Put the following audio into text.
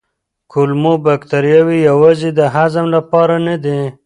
کولمو بکتریاوې یوازې د هضم لپاره نه دي.